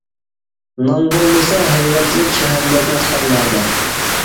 نان بولمىسا ھەيۋەتلىك، شەھەرلەردە خان نەدە.